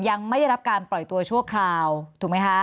ยังไม่ได้รับการปล่อยตัวชั่วคราวถูกไหมคะ